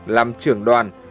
làm trưởng đoàn